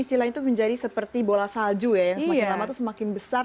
istilah itu menjadi seperti bola salju ya yang semakin lama itu semakin besar